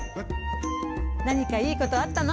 なにかいいことあったの？